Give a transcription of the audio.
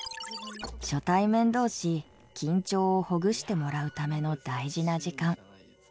初対面同士緊張をほぐしてもらうための大事な時間。